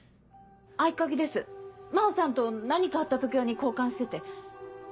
合鍵です真帆さんと何かあった時用に交換してて。